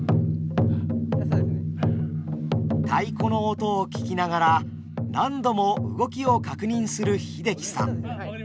太鼓の音を聞きながら何度も動きを確認する英樹さん。